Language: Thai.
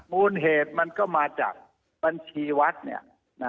มูลเหตุมันก็มาจากบัญชีวัดเนี่ยนะ